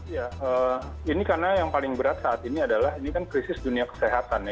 ya ini karena yang paling berat saat ini adalah ini kan krisis dunia kesehatan ya